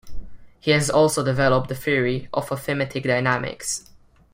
He has also developed the theory of arithmetic dynamics.